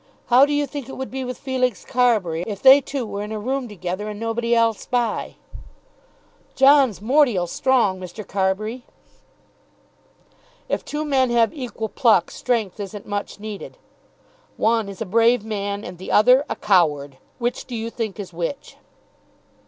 How do you think it would be with Felix Carbury, if they two were in a room together and nobody else by?" "John's mortial strong, Mr. Carbury." "If two men have equal pluck, strength isn't much needed. One is a brave man, and the other a coward. Which do you think is which?"